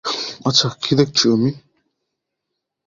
আচ্ছা, কী দেখছি আমি?